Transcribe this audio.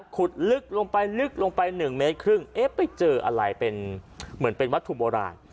ขุดลึกลงไปลึกลงไป๑เมตรครึ่งเอ๊ะไปเจออะไรเป็นเหมือนเป็นวัตถุโบราณ